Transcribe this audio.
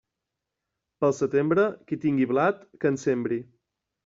Pel setembre, qui tinga blat, que en sembre.